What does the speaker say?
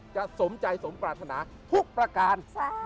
สมใจสมปรารถนาทุกประการ